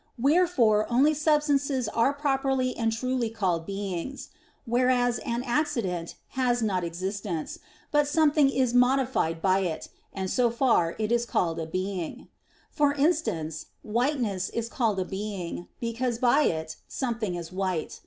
Wherefore only substances are properly and truly called beings; whereas an accident has not existence, but something is (modified) by it, and so far is it called a being; for instance, whiteness is called a being, because by it something is white.